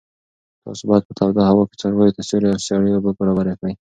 تاسو باید په توده هوا کې څارویو ته سیوری او سړې اوبه برابرې کړئ.